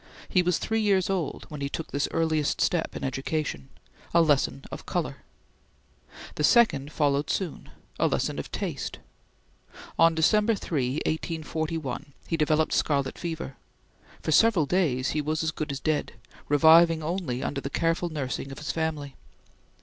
He was three years old when he took this earliest step in education; a lesson of color. The second followed soon; a lesson of taste. On December 3, 1841, he developed scarlet fever. For several days he was as good as dead, reviving only under the careful nursing of his family.